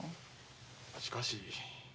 しかし。